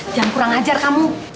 jangan kurang ajar kamu